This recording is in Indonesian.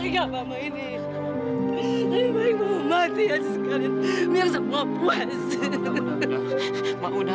sampai jumpa di video selanjutnya